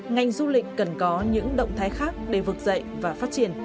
ngành du lịch cần có những động thái khác để vực dậy và phát triển